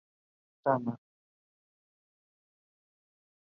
Las historias acerca de la invención del ajedrez varían.